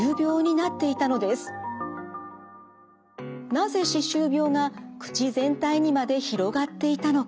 なぜ歯周病が口全体にまで広がっていたのか？